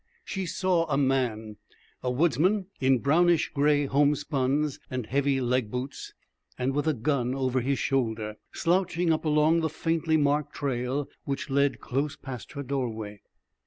She saw a man a woodsman in brownish grey homespuns and heavy leg boots, and with a gun over his shoulder slouching up along the faintly marked trail which led close past her doorway.